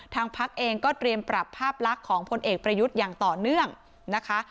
พักเองก็เตรียมปรับภาพลักษณ์ของพลเอกประยุทธ์อย่างต่อเนื่องนะคะ